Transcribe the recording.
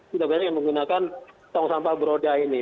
sudah banyak yang menggunakan tong sampah beroda ini